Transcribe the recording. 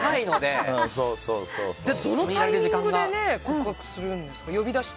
どのタイミングで告白するの？